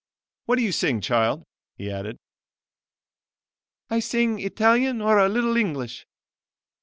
"What do you sing, child?" he added. "I sing Italian or a little English."